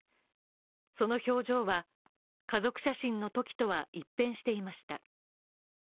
その表情は、家族写真のときとは一変していました。